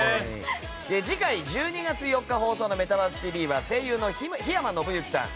次回１２月４日の「メタバースＴＶ！！」は声優の檜山修之さん